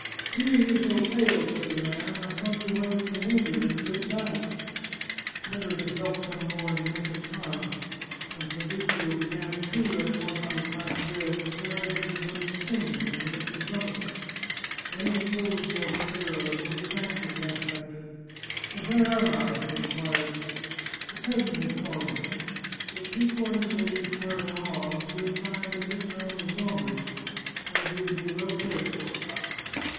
" Seeing you so pale," said the man, " I thought you might have been wounded in the great battle." Never did help come more in the nick of time. When Fabrizio began to chew that morsel of black bread his eyes had begun to sting when he looked in front of him. When he had pulled himself together a little he thanked his benefactor. " And where am I ?" he inquired. The peasant informed him that three quarters of a league farther on he would find the little town of Zonders, where he would be well cared for.